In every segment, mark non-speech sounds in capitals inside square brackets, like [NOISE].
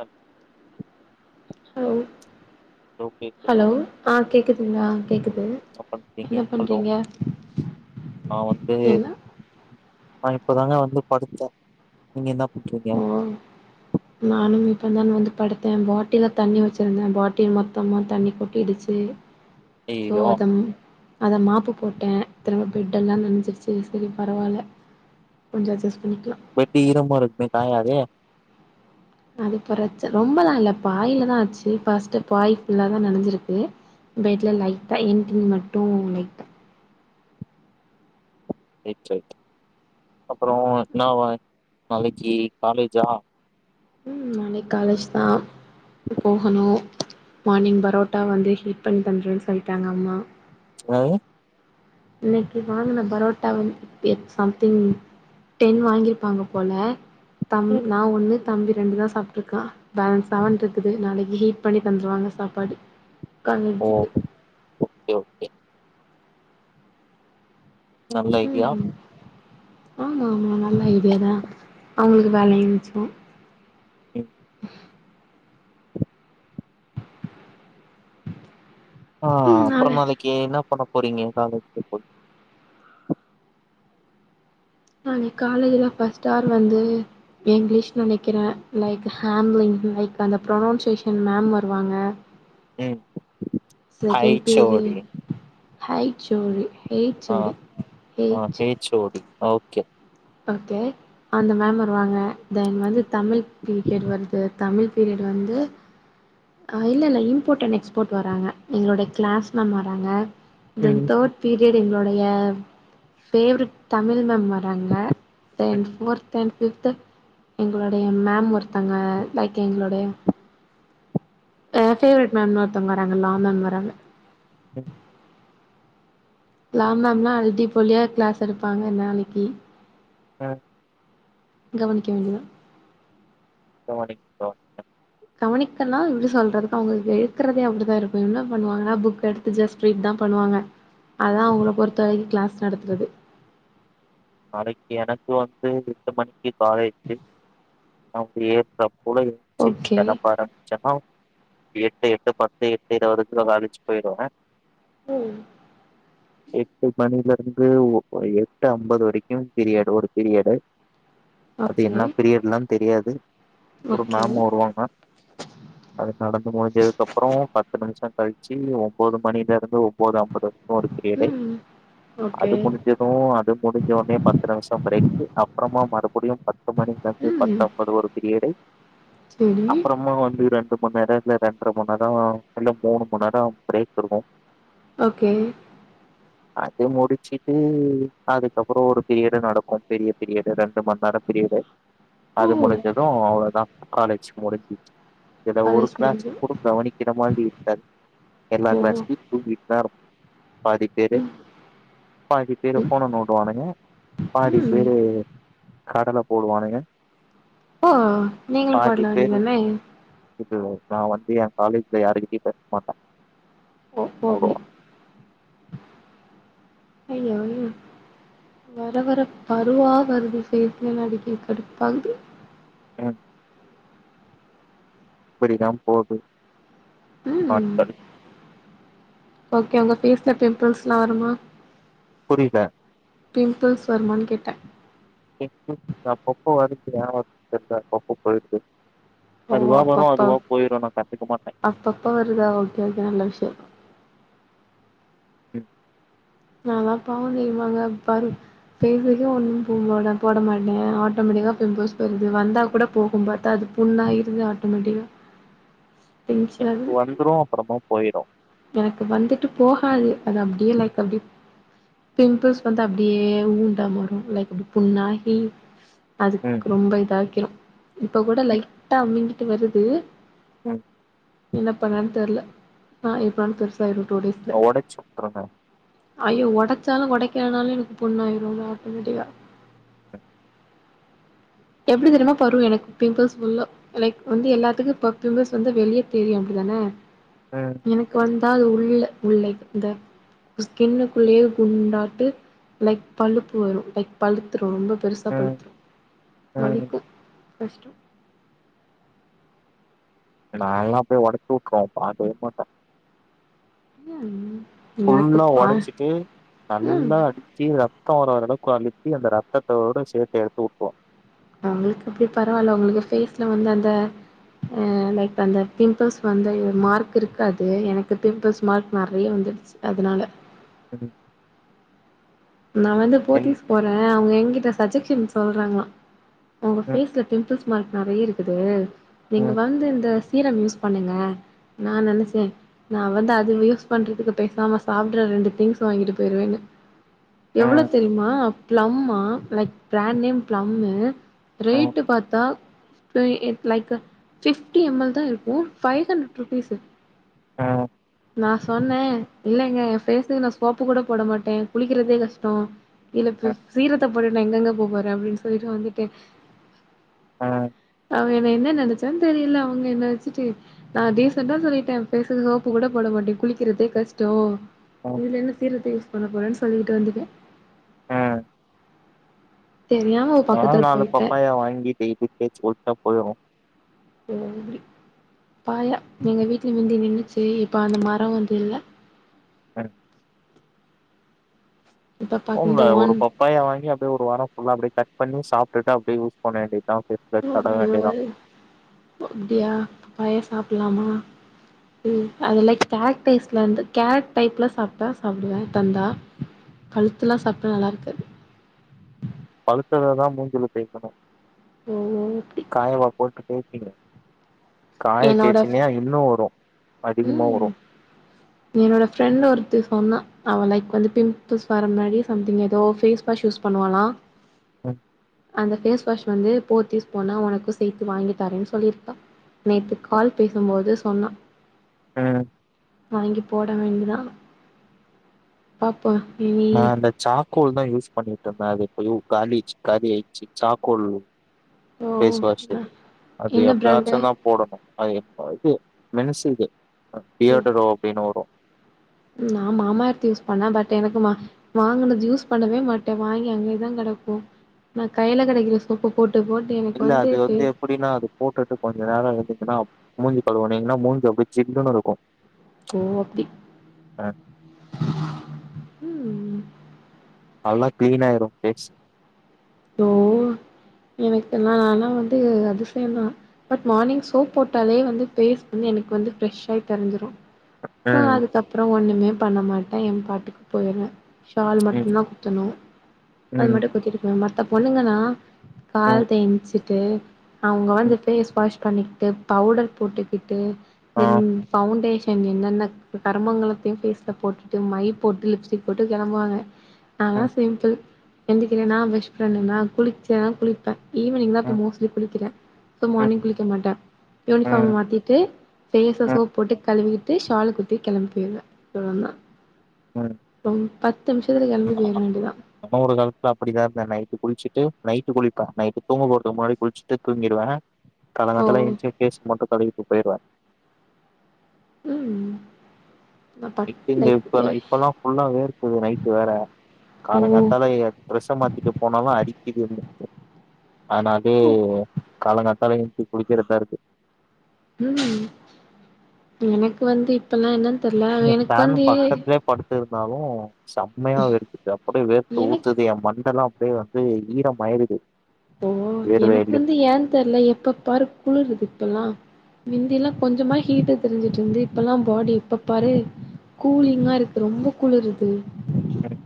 ஆஹமா hello கேக்குதா hello ஆ கேக்குதுங்ளா கேக்குது என்ன பண்றீங்க என்ன ஹலோ பண்றிங்க நா வந்து நா இப்பதாங்க வந்து படுத்தே நீங்க என்னப் ஓ நானும் இப்ப தான் வந்து படுத்தே பாட்டில தண்ணி வச்சிருந்தே பாட்டில் மொத்தமா தண்ணி கொட்டிடுச்சி சோ ஐயயோ அத ம் அத மாப்பு போட்ட திரும்ப பெட்டெல்லா நனன்சிருச்சி செரி பரவால்ல கொஞ்சே அஜஸ் பெட்டு ஈரமா இருக்மே காயாதே அது பிரச்ச ரொம்பலா இல்ல பாயிலதா ஆச்சி ஃபஸ்ட் பாய் ஃபுல்லாதா நெனஞ்சிருக்கு பெட்ல லைட்டா இன்குளு மட்டு லைட்டா ஏக் சாய் அப்றோ இன்னாவா நாளைக்கி காலேஜா ம் அன்னைக் காலேஜ் தா போகனு மானிங் பரோட்டா வந்து ஹீட் பண்ணி தந்துறன் சொல்ட்டாங்க அம்மா வரு இன்னைக்கு வாங்குன பரோட்டா வந்து பியட்ஸ் சம்திங் டென் வாங்கிருப்பாங்க போல தம் ம், நா ஒன்னு தம்பி ரெண்டு தா சாப்டுருக்கா பேலன்ஸ செவன்ட்ருக்குது நாளைக்கு ஹீட் பண்ணி தந்துருவாங்க சாப்பாடு ஓ காலேஜுக்கு ஒகே ஒகே நல்ல ஐடியா ஆமாமா நல்ல ஐடியாதா அவுங்களுக்கு வேலயு மிச்சோ ம் ஆ ம் அப்றோ நாளை நாளைக்கு என்ன பண்ண போறீங்க காலேஜ்ல போயி நாளைக் காலேஜ்ல ஃபஸ்ட் ஆர் வந்து இங்கிலீஷ் நெனைக்கிறே லைக் ஹம்லிங் லைக் அந்த ப்ரொனொன்சேஷன் மேம் வருவாங்க ம் செகன் ஹைச் ஓ பேஜி டி ஹைக் சோரு ஹெய் ஆ சோடி ஆ எயிச்சு H O D okay okay அந்த மேம் வருவாங்க தென் வந்து தமிழ் பீரியட் வருது தமிழ் பீரியட் வந்து ஆ இல்ல இல்ல இம்போட் அண்ட் எக்ஸ்போட் வராங்க எங்களோட கிளாஸ் மேம் வராங்க தென் ம் தேட் பீரியட் எங்ளோடைய பேவரெட் தமிழ் மேம் வராங்க தென் ம் ஃபோர்த் என்ட் ஃபிப்து எங்களோடைய மேம் ஒருத்தங்க லைக் எங்களோடைய அ பேவரெட் மேம் ஒருத்தங்க வராங்கல்லா ஆ மேம் வராங்க ம் லா மேம்லா அல்டி போலியா கிளாஸ் எடுப்பாங்க நாளைக்கி அ கவனிக்க வேண்டியவ போ மாட்டேங்க் பா கவனிக்கலா எப்டி சொல்றதுக்கு அவுங்க ஏக்கறதே அப்டிதா இருக்கு என்ன பண்ணுவாங்கனா புக் எடுத்து ஜஸ் ரீட் தா ப பண்ணுவாங்க அதா அவுங்கள பொறுத்த வரைக்கு கிளாஸ் நடத்துறது [INAUDIBLE] நாளைக்கு எனக்கு வந்து எட்டு மணிக்கு காலேஜு நா பெரிய ஸ்டாப் உலக சி ஓகே கடப்பாற ஜப்பாவ் எட்டு எட்டு பத்து எட்டு இருவதுக்கு அங்க ஆபிஸ் போயிடுவங்க ம் எட்டு மணிலருந்து ஒ எட்டு ஐம்பது வரிக்கு பெரிய டோரு பெரிய எடே அது ஓகே என்ன பிரியட்லா தெரியாது ஒரு ஓகே மேம் வருவாங்க அது நடந்து முடிஞ்சதுக்கு அப்றோ பத்து நிமிஷோ கழிச்சி ஒம்போது மணிலருந்து ஒம்போது ஐம்பது ஒரு பீரியடை ம் ஓகே அது முடிஞ்சது அது முடிஞ்ச ஒனே சாம்பார் எட்டு அப்றமா மறுபடியு பத்து மணிலர்ந்து ம் பத்தம்பது ஒரு பீரியடை செரி அப்றமா வந்து இரண் ட்டு மண் நேரத்துல்ல ரெண்ட்ர மண்நேரோ இல்ல மூணு மண் நேரோ பிரேக் இருக்கு ஓகே அது முடிச்சுட்டு அதுக்கப்பறொ ஒரு பீரியடு நடக்கும் பெரிய பீரியடு ரெண்டு மண்நேர பீரியடு ஓ அது முடிஞ்சது அவ்ளோதா காலேஜ் முடிஞ்சுச் இத ஒரு காலேஜ் கிளாஸ முடிஞ்சு கூட கவனிக்கிற மாதிரி இருக்காது எல்லா ஓ கிளாஸ்லயும் தூங்கிட்தா இரு பாதி பேரு ம் பாதி பேரு ம் ஃபோன நோண்டுவான்ங்க. பாதி ம் பேரு கடல போடுவானுங்க. ஓ நீங்களு பாதி பாடல பேரு வேண்டியதானே [UNINTELLIGIBLE] நா வந்து என் காலேஜ்ல யாருகிட்டயு பேச மாட்டே ஓ போ அப்டி ஐயா வர வர பருவா வருது ஃபேஸ்ல நடுக்கி கடுப்பாகுது எனக் இப்படிதாம் போது ம் ப்பாட்கள் ஓகே உங்க ஃபேஸ்ல பிம்பிள்ஸ்ல்லா வருமா புரியல பிம்பிள்ஸ் வருமான் கேட்டே பிம்பல்ஸ் அப்பப்போ வருது ஏ வருதுன்னு தெர்ல அப்பப்போ போயிருது. ஓ அதுவா வரு அப்பப்ப அதுவா போயிரு நா கண்டுக்க மாட்டே [INAUDIBLE] அப்பப்ப வருதா ஓகே ஓகே நல்ல விஷயோ ம் நால்லா பாவொந் தெரியுமாங்க பரு ஃபேஸுக்கு ஒன்னும் போட மாட்ட போட மாட்ட ஆட்டோமேட்டிக்கா பிம்பிள்ஸ் பெய்ருது வந்தா கூட போகும் பாத்தா அது புண்ணாயிருது ஆட்டோமேட்டிக்கா டென்ஷன் எனக் ஆகுது வந்துரு அப்றமா போய்ரு எனக்கு வந்துட்டு போகாது அது அப்டியே லைக் அப்டி பிம்பிள்ஸ் வந்து அப்டியே ஊண்டா மாறு லைக் அப்டி புண்ணாகி ம் அதுக் ரொம்ப இதாக்கிரு இப்ப கூட ம் லைட்டா அமிங்கிட்டு வருது ம் என்ன பண்ணன் தெர்ல ஆ எப்பனாலு பெருசாய்ரு ஒடச்சு வுட்ருங்க ஐயோ ஒடச்சாலு ஒடைக்கலனாலு எனக்கு புண்ணாயிரு அது ஆட்டோமேட்டிக்கா எப்டி தெரிமா பரு எனக்கு பிம்பிள்ஸ் ஃபுல்லா லைக் வந்து எல்லாத்துக்கு இப்ப பிம்பிள்ஸ் வந்து வெளிய தெரியு அப்டி தான ம் எனக்கு வந்தா அது உள்ள உள் லைக் இந்த ஸ்கின்னுக்குள்ளேயே குண்டாட்டு லைக் பழுப்பு வரு லைக் பழுத்துரு ரொம்ப பெருசா ம் பழுத்துரு ம் வலிக்கு கஷ்டோ நால்லா போய் ஒடச்சு வுட்ருவ பாக்கவே மாட்ட ஏ ம் எனக்கு ஃபுல்லா ஆ ஒடச்சிட்டு ம் நல்லா அடுத்தி ரத் த்தோ வர அளவுக்கு அழுத்தி அந்த ரத்தத்தோட சேத்து எடுத்து வுட்டுவோ நம்ளுக்கு அப்டி பரவால்ல ஒங்களுக்கு ஃபேஸ்ல வந்து அந்த அ லைக் அந்த பிம்பிள்ஸ் வந்த மார்க் இருக்காது எனக்கு பிம்பிள்ஸ் மார்க் நெறைய வந்து டுச்சு அதனால ம் நா வந்து என் போத்தீஸ் போற அவங்க எங்கிட்ட சஜெக்ஷன் சொல்றாங்ளா ஒங்க ம் ஃபேஸ்ல பிம்பிள்ஸ் மார்க் நெறைய இருக்குது நீங்க ம் வந்து இந்த சீரம் யூஸ் பண்ணுங்க நா நெனச்சே நா வந்து அது வேய்ஸ் பண்றதுக்கு பேசாம சாப்டுற ரெண்டு திங்ஸ் வாங்கிட்டு பேய்ருவன்ன எவ்ளோ ம் தெரிமா பிளம்மா லைக் பிராண்ட் நேம் ப்ளம்மு ம் ரேட்டு் பாத்தா இ லைக்கு பிப்டி எம் எல் தா இருக்கு ஃபைவ் ஹண்ட்ரட் ருப்பீசு ம் நா சொன்ன இல்லங்க எ பேசுக்கு நா சோப்பு கூட போட மாட்டே குளிக்கிறதே கஷ்டோ இல்ல இப்ப ம் சீரத்த போட்டுட்டு நா எங்கங்க போபோற அப்டின் சொல்லிட்டு வந்துட்டே ம் அவ என்ன என்ன நனச்சு அதா தெரில அவங்க என்ன வச்சுட்டு நா டீசண்டா சொல்லிட்ட பேசுக்கு சோப்பு கூட போட மாட்ட குளிக்கிறதே க கஷ்டோ ம் இதுல என்ன சீரத்த யூஸ் பண்ண போறேன் சொல்லிட்டு வந்துட்ட ஆ நாலு பப்பாயா வாங்கி டெய்லி தேச்சி குள்ச்சா போய்ரு [UNINTELLIGIBLE] பாயா எங்க வீட்ல மிந்தி நின்னுச்சி இப்ப அந்த மரோ வந்து இல்ல ஆ இப்ப பா ஓன்ல இந்த ஒன் ஒரு பப்பாயா வாங்கி அப்டியே ஒரு வாரோ ஃபுல்லா அப்டியே கட் பண்ணி சாப்டுட்டு அப்டியே யூஸ் பண்ண வேண்டியதா ஃபேஸ்ல [UNINTELLIGIBLE] ஓ தடவ வேண்டியதா அப்டியா பப்பாயா சாப்புலாமா உம் அது லைக் கேட் டைஸ்ல இந்து கேட் டைப்ல சாப்ட்டா சாப்டுவ தந்தா கழுத்துல்லா சாப்டா நல்லா இருக்காது பழுத்ததா தா மூஞ்சில தேக்கணு ஓ அப்டி காயவா போட் தேப்பீங்க காய என்னோட தேச்சின்யா இன்னு வரு அதிகமா ம் வரு என்னோட ஃப்ரெண்ட் ஒருத்தி சொன்னா அவ லைக் வந்து பிம்பிள்ஸ் வர முன்னாடி சம்திங் ஏதோ ஃபேஸ் வாஷ் யூஸ் பண்ணுவாலா உம் அந்த ஃபேஸ் வாஷ் வந்து போத்தீஸ் போனா ஒனக்கு சேத்து வாங்கிதரேன் சொல்லிர்கா நேத்து கால் பேசும்போது சொன்னா உம் வாங்கி போட வேண்டிதா பப் நா அந்த சாக்கோல் தா யூஸ் பண்ணிட்டு இருந்த அது ஐயோ காலிச்சு காலியாச்சி சாக்கோல் ஓ ஃபேஸ் வாஷு ந அது என்ன பிராண்டு எப்பயாச்சு தா போடணு அது இது மென்சு இது பியடரோ அப்டின்னு வரு நா மாமாயிரத்து யூஸ் பண்ண பட் எனக்கு வாங் வாங்கனது யூஸ் பண்ணவே மாட்ட வாங்கி அங்கே தா கட இருக்கு ந கையில கெடைக்கிற சோப்பு போட் இல்ல அது வந்து எப்டின்னா அது போட்டுட்டு கொஞ்ச நேர இருந்துச்சுன்னா மூஞ்சு கழுவுனீங்னா மூஞ்சு அப்டி சில்லுன்னு இருக்கு ஓ அப்டி உம் நல்லா கிளீன் ஆயிரு ஃபேஸ் ஓ எனக்குல்லா ஆனா வந்து அதுசையதா பட் மார்னிங் சோப் போட்டாலே வந்து பேஸ் வந்து எனக்கு வந்து ஃப்ரஷ் ஆயி தெரிஞ்சிரு சோ ம் அதுக்கப்றோ ஒண்ணுமே பண்ண மாட்டே என் பாட்டுக்கு போய்ற சால் மட்டு ம் தா குத்தணு அது ம் மட்டு குத்திட்டு மத்த பொண்ணுங்கன்னா ம் கால் தேஞ்சுட்டு அவங்க ம் வந்துட்டு ஷ்பஸ் பண்ணிக்கிட்டு பவுடர் போட்டுக்கிட்டு ஆ தென் பவுண்டேஷன் என்னென்ன கருமங்களலத்தையு ஃபேஸ்ல போட்டுட்டு மை போட்டு லிப்ஸ்டிக் போட்டு கெளம்புவாங்க நாலா ம் சிம்பிள் எந்திகிறனா ப்ரெஸ் பண்றனா குளிச்சதா குளிப்ப ஈவினிங் தா இப்ப ம் மோஸ்ட்லி குளிக்கிற சோ ம் மார்னிங் குளிக்க மாட்ட ம் யூனிஃபார்ம் மாத்திட்டு ஃபேஸ்ஸ ம் சோப் போட்டு கழுவி ட்டு சால் குத்தி கெளம்பி போய்ருவ இவ்ளோதா பொங் [INAUDIBLE] இன்னூறு காலத்துல அப்டிதா இருந்த நைட்டு குளிச்சுட்டு நைட்டு குளிப்ப நைட்டு தூங்க போறதுக்கு முன்னாடி குளிச்சுட்டு தூங்கிடுவ ஓ காளங்காத்தால ஏன்சி ஃபேஸ் மட்டு தடவிட்டு போயிடுவ உம் இப் இப் இப்பெல்லா ஃபுல்லா வேர்க்குது நைட்டு வேற ஓ காலங்காத்தால பிரெஷ்ஷ மாத்திட்டு போனாலு அடிக்குதுன்னு ஆனதுே ஓ காலங்காத்தால ஏன்ச்சி குளக்கிறதா இருக்கு ம் எனக்கு வந்து இப்பெல்லா என்ன ல்ல எனக்கு வந்து ந்தாலு செம்மையா வேர்க்குது அப்படியே வேர்த்த எனக் ஊத்துது எ மண்ட லா அதே வந்து ஈரம் மாயிறுது ஓ எனக்கு வந்து ஏன் தெர்ல எப்ப பாரு குளுற்து இப்பெல்லா மிந்தி எல்லா கொஞ்சமா ஹீட் தெரிஞ்சுட்டு இருந்து இப்பெல்லா பாடி எப்ப பாரு கூலிங்கா இருக்கு ரொம்ப குளுருது ம்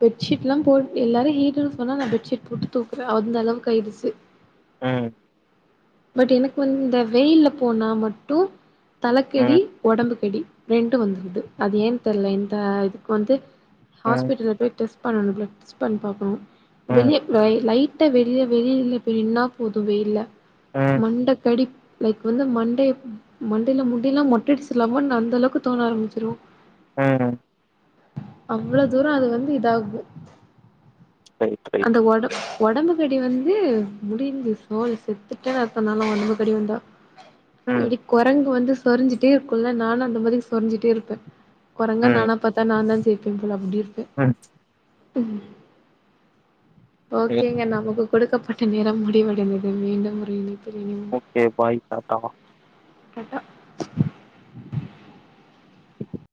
பெட்ஷீட் எல்லா போ எல்லாரு ஹீட்டுன்ன சொன்னா நா பெட்ஷீட் போட்டு தூக்குவே அந்தளவுக் ஆயிடுச்சு ம் பட் எனக்கு வந்து இந்த வெயில்ல போனா மட்டு தலக்கெடி ம் உடம்புக்கடி ரெண்டு வந்துருது அது ஏன்னு தெர்ல இந்த இதுக்கு வந்து ஹாஸ்பிட்டல போய் டெஸ்ட் பண்ணு பிலட்ஸ் பண்ணி பாக்கணு ம் வெளிய லைட்டா வெயி [UNINTELLIGIBLE] பெ நின்னா போது வெயில்ல ம் ம் மண்ட கடிப் லைக் வந்து மண்டே மண்டைல முடி எல்லா மொட்டையடிச்சல்லாமா அந்த அளவுக்கு தோண ஆரம்பிச்சிரு ம் அவ்ளோ தூர அது வந்து இதாகு ரைட் ரைட் அந்த ஒட ஒடம்புக்கடி வந்து முடிஞ்ச சோலி செத்துட்டேன்னு அர்த்த நா லா உடம்புக்கடி வந்தா ம், எடி குரங்கு வந்து சொரிஞ்சிட்டே இருக்குல்ல நானு அந்த மாரி சொரிஞ்சிட்டே இருப்ப குரங்கா ம், நானா பாத்தா நா தா ஜெய்ப்ப போல அப்டி இருக் ம் ம் ஓகேங்க நமக்கு கொடுக்கப்பட்ட நேரம் முடிவடைந்தது மீண்டும் ஒரு இணைப் ஓகே பாய் டாடா டாட்டா